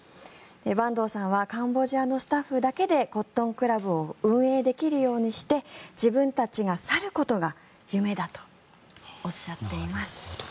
板東さんはカンボジアのスタッフだけでコットンクラブを運営できるようにして自分たちが去ることが夢だとおっしゃっています。